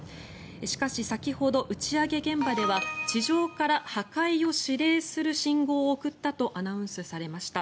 しかし、先ほど打ち上げ現場では地上から破壊を指令する信号を送ったとアナウンスされました。